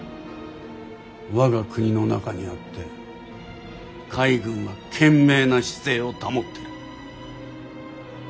我が国の中にあって海軍は賢明な姿勢を保ってる。